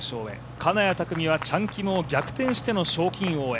金谷拓実はチャン・キムを逆転しての賞金王へ。